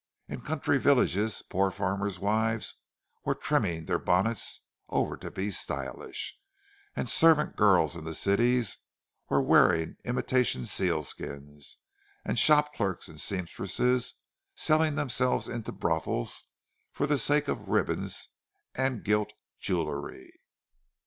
In country villages poor farmers' wives were trimming their bonnets over to be "stylish"; and servant girls in the cities were wearing imitation sealskins, and shop clerks and sempstresses selling themselves into brothels for the sake of ribbons and gilt jewellery.